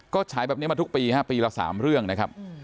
ก็ฉายแบบนี้มาทุกปีฮะปีละ๓เรื่องนะครับ